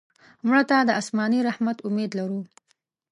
مړه ته د آسماني رحمت امید لرو